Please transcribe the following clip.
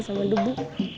bayar angin sama debu